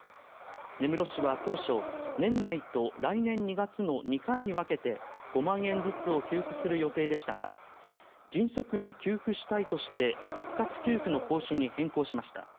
根室市は当初年内と来年２月の２回に分けて５万円ずつを給付する予定でしたが迅速に給付したいとして一括給付の方針に変更しました。